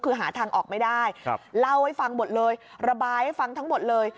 คือหาทางออกไม่ได้เล่าให้ฟังหมดเลยระบายให้ฟังทั้งหมดเลย